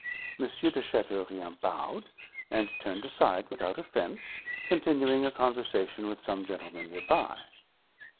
M. de Chauteaurien bowed, and turned aside without offense, continuing a conversation with some gentlemen near by.